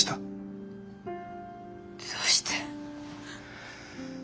どうして。